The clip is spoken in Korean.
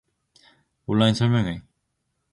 온라인 설명회.